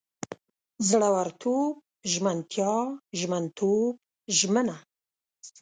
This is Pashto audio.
زړورتوب، ژمنتیا، ژمنتوب، ژمنه